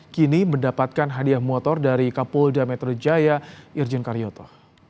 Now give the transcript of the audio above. kini mendapatkan hadiah motor dari kapolda metro jaya irjen karyoto